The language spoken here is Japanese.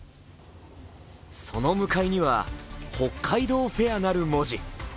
その向かいには、「北海道フェア」なる文字。